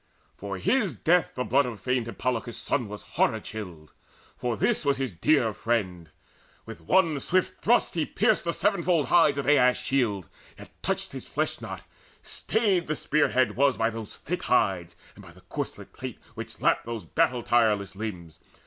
For his death the blood Of famed Hippolochus' son was horror chilled; For this was his dear friend. With one swift thrust He pierced the sevenfold hides of Aias' shield, Yet touched his flesh not; stayed the spear head was By those thick hides and by the corset plate Which lapped his battle tireless limbs.